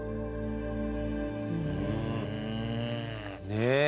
ねえ。